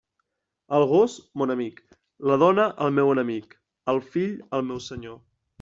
El gos, mon amic; la dona, el meu enemic; el fill, el meu senyor.